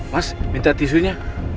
mas minta tisunya